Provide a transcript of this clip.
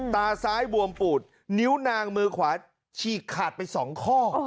ตาซ้ายบวมปูดนิ้วนางมือขวาฉีกขาดไป๒ข้อ